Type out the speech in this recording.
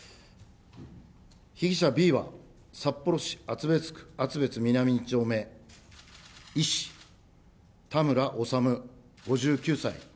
被疑者Ｂは札幌市厚別区厚別南２丁目、医師、田村修５９歳。